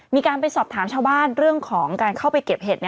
มีการไปสอบถามชาวบ้านเรื่องของการเข้าไปเก็บเห็ด